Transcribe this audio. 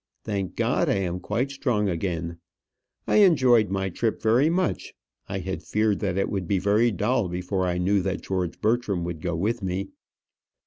Thank God, I am quite strong again. I enjoyed my trip very much. I had feared that it would be very dull before I knew that George Bertram would go with me.